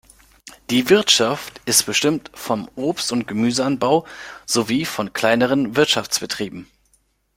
Die Wirtschaft ist bestimmt vom Obst- und Gemüseanbau sowie von kleineren Wirtschaftsbetrieben.